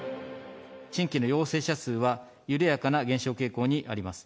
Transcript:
新規の陽性者数は緩やかな減少傾向にあります。